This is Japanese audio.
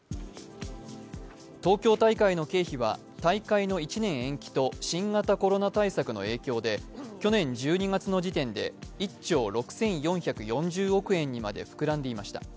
東京大会の経費は大会の１年延期と新型コロナ対策の影響で去年１２月の時点で１兆６４４０億円にまで膨らんでいました。